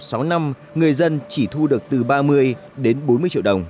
sẽ tăng thêm